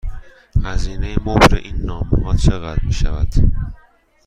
هزینه مبر این نامه ها چقدر می شود؟